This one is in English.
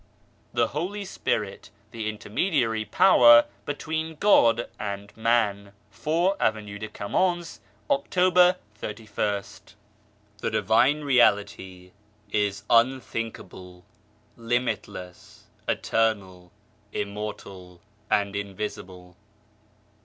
THE HOLY SPIRIT THE INTERMEDIARY POWER BETWEEN GOD AND MAN 4, Avenue de Camoens, October Divine Reality is Unthinkable, Limitless, Eternal, Immortal and Invisible.